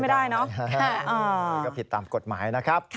ไม่ได้นะครับอ๋อก็ผิดตามกฎหมายนะครับ